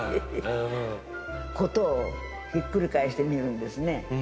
ことをひっくり返して見るんですね。